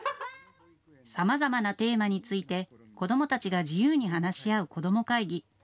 さまざまなテーマについて子どもたちが自由に話し合う子ども会議。